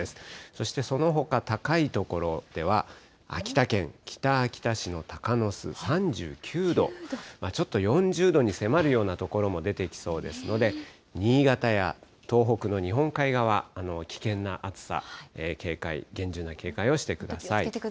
そしてそのほか高い所では、秋田県北秋田市の鷹巣３９度、ちょっと４０度に迫るような所も出てきそうですので、新潟や東北の日本海側、危険な暑さ、警戒、厳重な警戒をしてください。